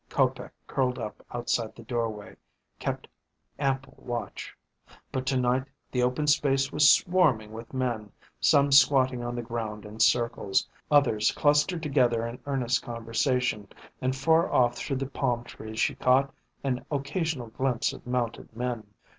Kopec curled up outside the doorway kept ample watch. But to night the open space was swarming with men, some squatting on the ground in circles, others clustered together in earnest conversation, and far off through the palm trees she caught an occasional glimpse of mounted men.